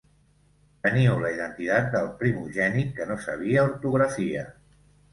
Teniu la identitat del primogènit que no sabia ortografia.